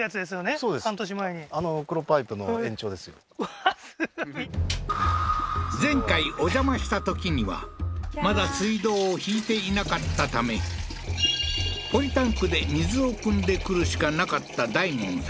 わあーすごい前回お邪魔したときにはまだ水道を引いていなかったためポリタンクで水を汲んでくるしかなかった大門さん